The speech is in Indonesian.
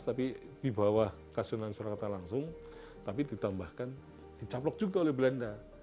tapi di bawah kasunan surakarta langsung tapi ditambahkan dicaplok juga oleh belanda